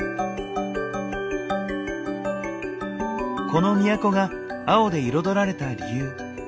この都が青で彩られた理由。